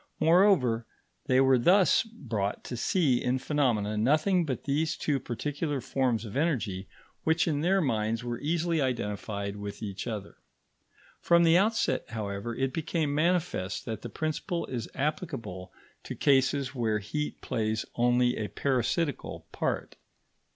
Moreover, they were thus brought to see in phenomena nothing but these two particular forms of energy which in their minds were easily identified with each other. From the outset, however, it became manifest that the principle is applicable to cases where heat plays only a parasitical part.